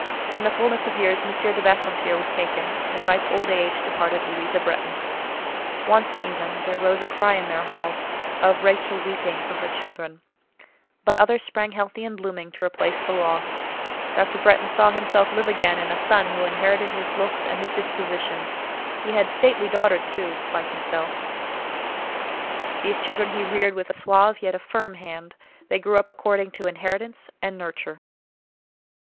In the fulness of years, M. de Bassompierre was taken: in ripe old age departed Louisa Bretton. Once even there rose a cry in their halls, of Rachel weeping for her children; but others sprang healthy and blooming to replace the lost: Dr. Bretton saw himself live again in a son who inherited his looks and his disposition; he had stately daughters, too, like himself: these children he reared with a suave, yet a firm hand; they grew up according to inheritance and nurture.